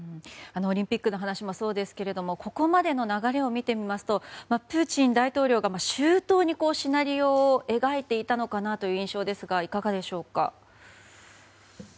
オリンピックの話もそうですけれどもここまでの流れを見てみますとプーチン大統領が周到にシナリオを描いていたのかなという印象ですがいかがでしょうか。